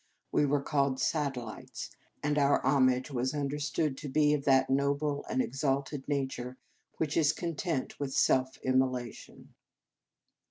We were called " satellites," and our homage was un derstood to be of that noble and ex alted nature which is content with self immolation.